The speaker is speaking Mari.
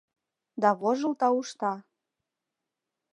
Да вожыл таушта.